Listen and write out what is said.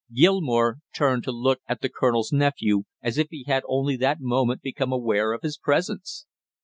Gilmore turned to look at the colonel's nephew as if he had only that moment become aware of his presence.